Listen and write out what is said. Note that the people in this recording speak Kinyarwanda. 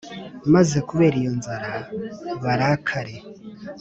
maze kubera iyo nzara, barakare,